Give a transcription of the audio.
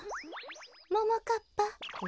ももかっぱ。